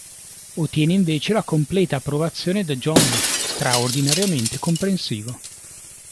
Ottiene invece la completa approvazione da Jonny, straordinariamente comprensivo.